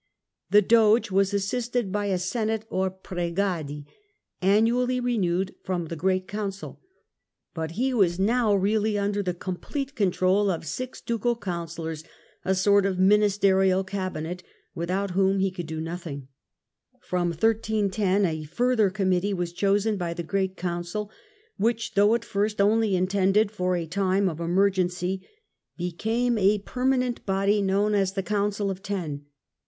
The Doge was assisted by i a Senate or Pregadi, annually renewed by the Great Council ; but he was now really under the complete control of six Ducal councillors, a sort of Ministerial Cabinet, without whom he could do nothing. From 1310 a further Committee was chosen by the Great Council, which though at first only intended for a time of emergency, became a perma nent body known as the Council of Ten.